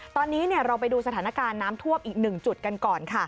ตอนนี้เราไปดูสถานการณ์น้ำทวบอีกหนึ่งจุดกันก่อน